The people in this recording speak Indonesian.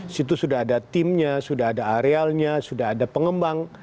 situ sudah ada timnya sudah ada arealnya sudah ada pengembang